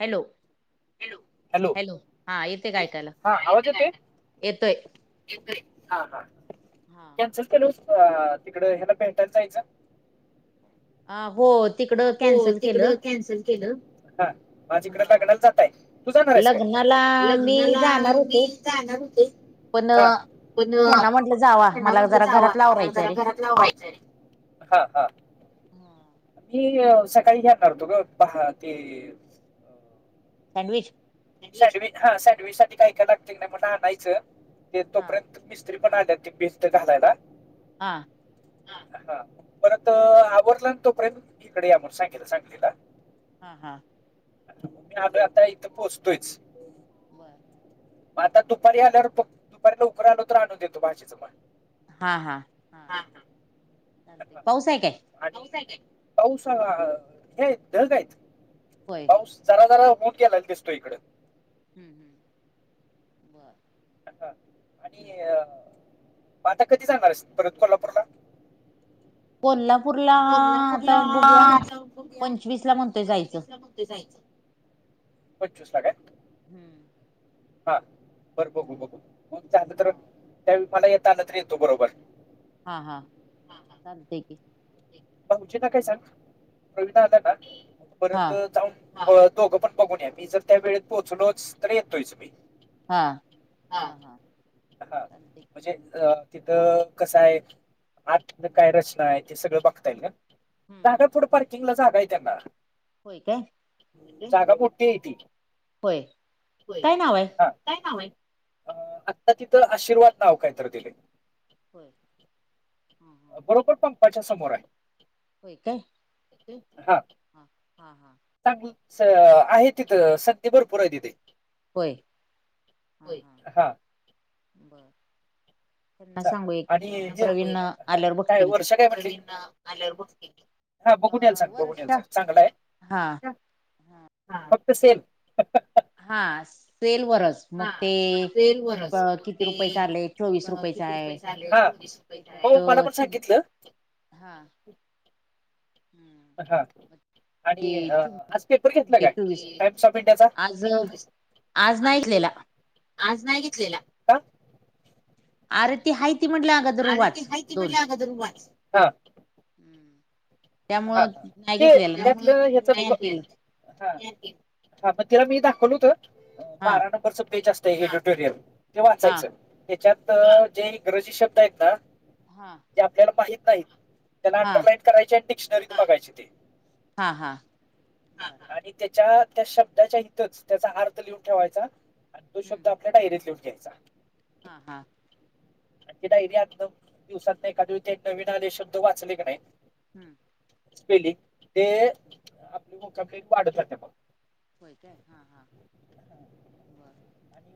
Hello hello हा येतेय काय ऐकायला हा आवाज येतोय येतोय हा हा हा तिक हला भेटायला जायचं अ हो तिकडं हो कॅन्सल केलं तिकडं कॅन्सल केलं हा माझीकडे हा लगनाला जातय तू जाणार आहेस काय लग्नाला मी लग्नाला जाणार होते मी णार पण हो पण ह्यांना म्हटलं जावा त्यांना मला म्हटलं जरा जावा घरातला मला आवरायचं जरा रे घरा हा हा मी सकाळी घेणारतो ग पहा ते सँडविच सँडविच हा सँडविच साठी काही कग नाही मलाायचं हा तोपर्यंत मी त पण आ बीस्ट घालायला हां हा परत आवरला तो प्रेम इकडे या म्ह सांगे सांगलीला हा हा म मी आग बर आता इथं पोहोचतोयच बर मग हा आता दुपारी आल्यावर दुपारीला लवकर आलो तर आणून देतो भाजेचं मन हा हा हा चालते पाऊस आहे काय पाऊसा हे आहेत ढक आहेत होय जरा जरा बऊन गेला दिसतो इकडे हम्म हम्म बर ा हम्म आणि हम्म आता कधी सांगणार परत कोल्हापूरला कोल्हापूरला कोल्हापूरला आता बघूया जाऊ्या पंचवीस ला म्हणतोय जायचं पंचवीस ला कुठे जायचं कचछु सग्या हम्म हा बरं बघू हम्म बघलं हा तर त्या मला यता आलं तर येतो बरोबर हा हा लते क भाऊज ना काय सांग प्रवीणा आला ना हा परत जाऊन दोघं पण बघूनया मी जर त्या वेळेत पोहोचलोच तर येतोयचु मही हा हा चालतय की म्हणजे अ तिथं कसं आहे आत काय रचना आहे ते सगळं बघता येईल हम्म हम्म होय जागाय त्यांना होय काय जागा पुठते येे होय नाव आहे काय काम आहे अ आता तिथं आशीर्वाद नाव कायत दिले हो बरोबर पण पाझ्या समोर आहे हो काय हा हा हा हा चांगल आहे तिथं संधी भरपूर आहे तिथे प ह हां हा बरं [unintelligible] आणि प्रवीण आल्यावर काय बघतील की वर्ष काय म्हटल्या हा बघून येल सांग बघूनल वर्षा सांग चांगलाय हा फक्त सेल हा सेलवररच हा सेल वच ते रुपयेच आलंय चोवीस रुपयेच किती आहे रुपय मग आले हो त्याच्यात मला पण चिम सांगितलं हा हम्म हा ते आणि चिम आज पेपर घेतला चिमटे चोवीस काय टाइम्स ऑफ इंडियाचा आज आज नाहीचलेला आज नाही घेतलेला आर ते हहाहिती म्हटलं अगोदर आ र वाच खहिती बळी आद रु वा हम्म हा ते त्यात हे ह्याच नाही आणतील हा हा मग तिला मी दाखवल होत हा बाराण ज असत एडुटोरियल ते हा वाचायचं त्याच्यात जे इंग्रजी शब्द आहेत ना हा जे आपल्याला माहित नाहीत त्याना हा अंडरलाईन करायचे आणि डिक्शनरीत बघायचे ते हा हा ह बर आणि त्याच्या त्या शब्दाच्या हितच त्याचा अर्थ लिहून ठेवायचा आणि तो हम्म शब्द आपल्या डायरीत लिहून घ्यायचा हा हा आणखची बर डायरी आत ना दिवसात नाही कधी ते नवीन आले शब्द वाचले की नाही हम्म स्पेलिंग ते हम्म. आपली मोकाकडे वाढत रा मघ पय का आहे हां हां बरं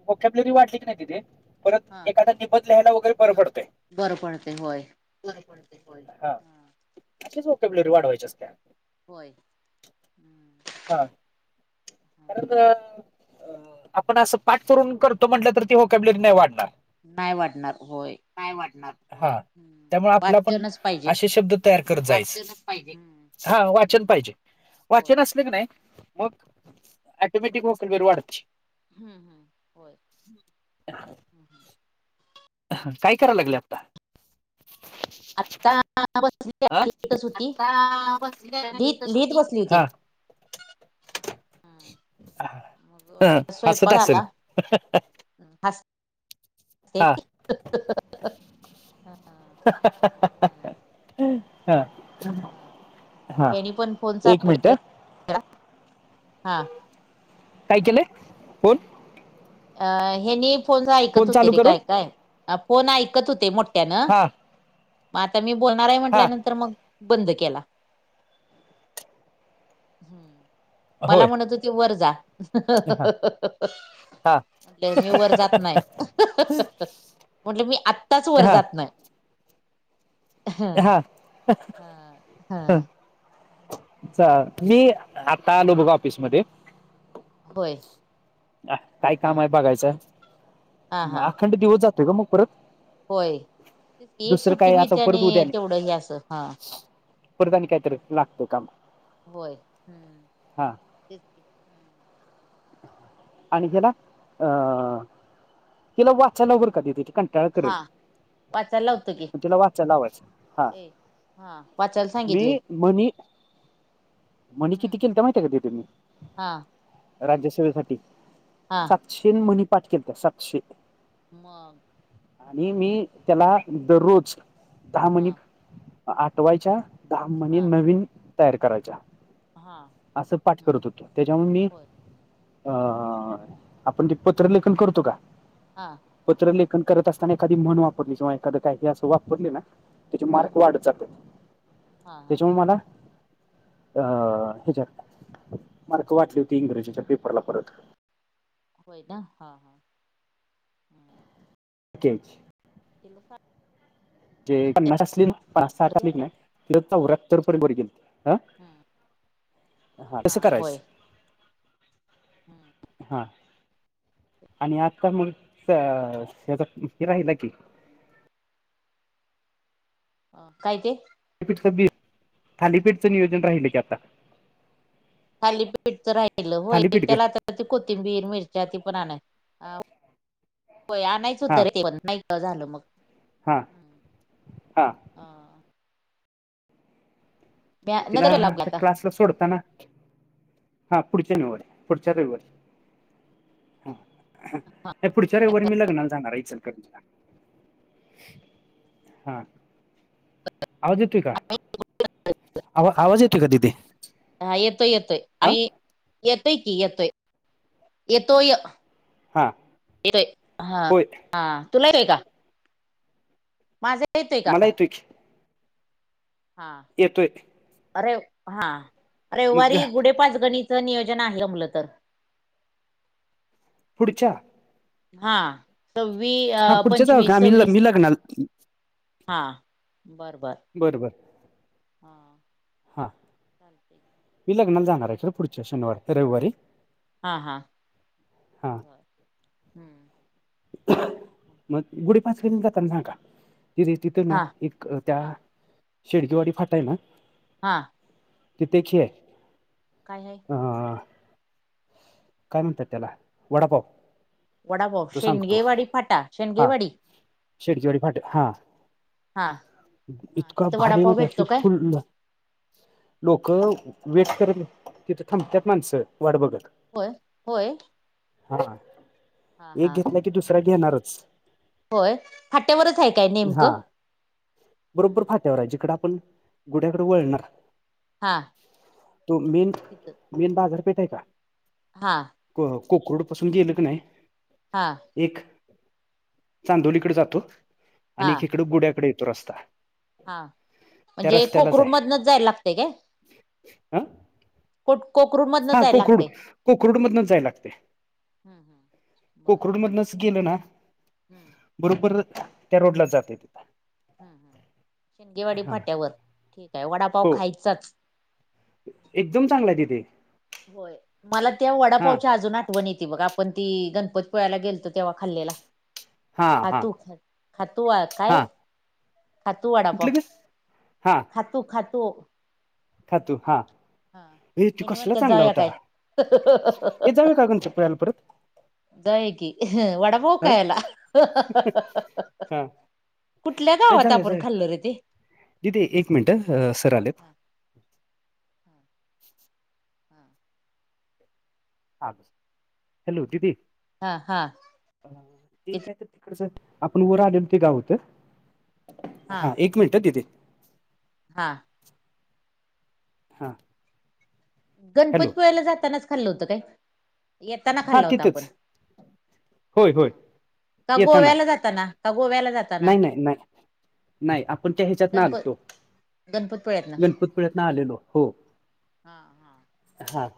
मुक्या प्लेरी वाटली की नाही तिथे परत हा एखादा निपत लिहायला वगैरे बर पडतंय बरं पण ते होय हा. को कर वाड वयचच त्या होय हम्म. हा हा. कारण आपण असं पाठ करून करतो म्हटलं तर ती हो कॅब्लेट नाही नाही वाटणार होय वाढणार हा हम्म. त्यामुळे आपला पण वाचनच पाहिजे असे शब्द तयार करत जायच हम्म. हा वाचन हम्म. पाहिजे होय वाचन असले की नाही मग अटोमॅटिक वकल बेवा वाढचची हम्म हम्म होय ह् हम काय करायला लागले आता आता बसलीच अ होती आता लिहित बसलीस लिहित होटी बसली ह होती ह मग अससत असेल ह अ हां [inaudible] हा [inaudible] हा हा हा हा हेनी पण फोन एक चालू मिीटर हा काय केलंय फोन अ हे न फोन ऐकत होते चालू रे करून काय काय फोन ऐकत होते मोठ त्यान हा मग आता मी बोलणार आहे हा म्हंटल्यानंतर मग बंद केला. हम मला होय म्हणत होती वर जा हा हा म्हटले मी वर जात नाही म्हटलं मी आत्ताच वर हा जात ना ह हा ह अछ मी आता आलो बघा ऑफिसमध्ये होय अ हा काय हा काम आहे बघायचं हा हा अखंड दिवस जातोय का मग परत होय एक दुसरं सुट्टी काय आता मिळते आणि तेवढं हे असं हा पुरदान कायत मग लागतो कामा होय. हम्म हा तेच हम्म. आणि ह्याला अ हिला वाचायला वर कध त ठिकण त्या कर हा वाचायला लावतो की तुला वाचायला लावायचं हा ए हा वाचायला सांगितलंय. मी मनी म्हणे हम्म किती केलं तर माहिती का त तुम्ही हा राज्यसभेसाठी हा सातशे मणीपाठ केत सातशे मग आणि मी त्याला दररोज दहा मनी हा आठवायच्या दहा म्ह हा नवीन तयार करायच्या हा असं पाठ हम्म करत होतो त्याच्यामुळे मी होय ह आपण ते पत्रलेखन करतो का हा पत्र लेखन करत असताना एखादी मन वापरली जिंवा एखादं काही हे असं वापरले ना त्याचे हम्म मार्क वाढत जातो हा हा त्याच्यामुळे मला अ हच्यात मार्क वाटली होती इंग्रजीच्या पेपरला परत होय ना हा हा हम् ठीे [inaudible] जे पन्नास असली ना सांगते पन्कालीिक आता नाही तिथं च वक्तप बर गेल हा हम्म हा कसं करायच हम्म हा आणि आता मांग त [unintelligible] हे राहिल की ह काय ते थापीठच थालीपीठचं नियोजन राहिलं की आता खाली पीठ तर राहिल हो थालीपीठ ग त्याला आता त कोथिंबीर मिरच्या ती पण आणा अ होय आणायच हो तर रे ते पण नाही झालं मग हा अ मी तिला नजरेला लावली तर आता क्लासला सोडता ना हा पुढच्या नवार पुढच्या रविवार ह नाही पुढच्या रे वर मी लग्नाल सांणारचल हा आवाज येतोय का आवा आवाज येतोय का दीदी हा येतोय येतोय आणि येतोय की येतोय येतो य हा येतोय हा होय हा तुला येतय का माझा येतोय का हा येतो येत रे हा मग रविवारी जा गुढे पाच गणीच नियोजन आहे का मुलं तर पुढच्या हा सव्वीस अ हा पुढच्याच आहो का पंचवीस मी ल सव्वीस मी लग्नाला हा बरबर बरंबरं हा हां चालते मी लग्नाला जाणार आहे खडें पुढच्या शनिवार रविवारी हा हा हां ब हम्म मग गुडी पाच कडेन जाता सांका चथ ना हा एक त्या हा शेडकीेवाडी फाटा आहे ना हां तिती ख आहे काय अं, काय म्हणतात त्याला वडापाव वडा भाऊ तो सांगतो शेंगगेवाडी फाटा शेंगगेवाडी शेडचीवाडी फाटे हा हा हा इतका तिथं भारी वडापाव म्हणजे भेटतो काय फुल लोक वेट कर तिथं थांबतात माणसं वाट बघत होय होय हा हा एक हा घेतला की दुसरा घेणारच होय फाट्यावरच आहे काय हा नेमकं हम्म बरोबर हम्म. फाट्यावर आहे जिकड आपण गुड्याकडे वळणार हा तो मेन तिथं मेन बाजारपेठ आहे का हा कोकुड पासून गेलं क नाही हा एक चांदोलीकडे जातो हा आणि एक इकड गुड्याकडे येतो रस्ता हा त्या म्हणजे रस्त्यालाच कोकरुण मधनच जायला लागते का हा कोक हा कोकडू कोकररुडमधन जाय लागते हम्म हम्म. बर कोकररुडमधनच गेल ना हम्म बरोबर त्या रोडला जाते तिथ हम् हम शिंगगेवाडी फाट्यावर ठीक आहे वडापाव हो खायचाच एकदम चांगला आहे तिथे होय मला त्या हा वडापावच्या अजून ठ बण येते बघ आपण ती गणपत पिळयला गेलो तेव्हा खाल्लेला हा हा खातू ख खातू काय हा खतू वाडा प कुठलं ग हा खतू खतू खातू हा म तू हेनी कसला म्हणत्यात चांगला जाऊया होता काय हे जावे कागन चपळाला परत दयग वड हा रोकायला हा कुठल्या गावात आपण खाल्लो रे ते दी ते एक मिनटं सर आलेत हा हम् आ हॅलो ददी हा हा ते किती काय तर तिकडच आपण वर आले ते गावत हा एक मिनिट दिदी हा हां हॅलो गणपतीपुळ्याला जातानाच खाल्लं होतं काय येताना हां खाल्ला होता तिथंच आपण होय ह होय का येताना गोव्याला जाताना ह गोव्याला जात नाही नाही नाही नाही आपण त्या ह्याच्यात गणप नालतो गणपतपुळ्यातनं गणपती तन आलेलो हो हा हा हां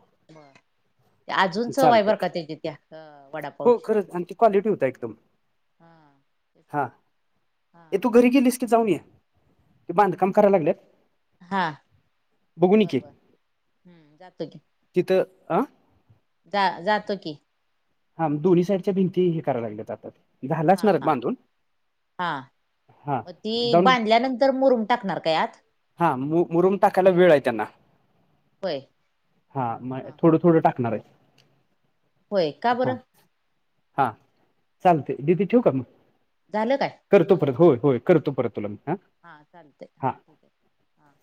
अजूनच वायबर चालतंय काात्याची त्या हो वडापावची खरंच आणि ती क्वालिटी होता एकदम हा तेच हा की हा. तू घरी की लिस्ट जाऊन ये ते बांध काम करायला लागलेत हा बरबर हम्म जातो की किथ आ जा जातो की हां दोन्ही साईडच्या भिती हे कराय लाल्यात आ ते झालं हा असणार आहेत हा बांधून हा हा मग ती जाऊन बांधल्यानंतर मुरूम टाकणार काय आत हा मु मुरम टाकायला वेळ आहे त्यांना होय हा मग थोडं थोडं टाकणार आहे होय का हा बरं हा चालतय ददी ठेव का मग झालं काय करतो परत होय होय करतो परत तुला मी ह हा चालते हा ठीक आहे हा